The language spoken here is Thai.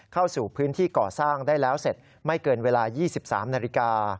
เข้าสู่พื้นที่ก่อสร้างได้แล้วเสร็จไม่เกินเวลา๒๓นาฬิกา